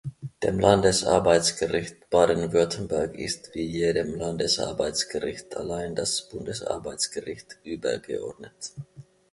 Dem Landesarbeitsgericht Baden-Württemberg ist, wie jedem Landesarbeitsgericht, allein das Bundesarbeitsgericht übergeordnet.